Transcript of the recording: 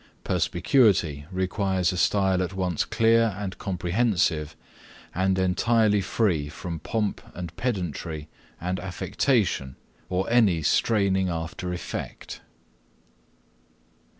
Perspicuity requires a style at once clear and comprehensive and entirely free from pomp and pedantry and affectation or any straining after effect.